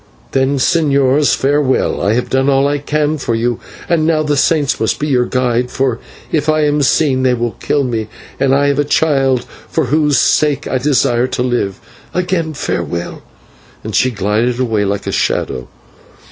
"Then, señors, farewell, I have done all I can for you, and now the saints must be your guide, for if I am seen they will kill me, and I have a child for whose sake I desire to live. Again, farewell," and she glided away like a shadow.